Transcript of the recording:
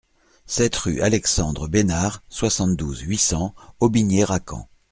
sept rue Alexandre Besnard, soixante-douze, huit cents, Aubigné-Racan